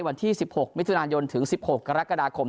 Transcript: วันที่๑๖มิถุนายนถึง๑๖กรกฎาคม